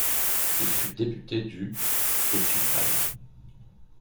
Il fut député du au suprême.